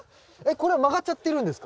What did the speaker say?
これ曲がっちゃってるんですか？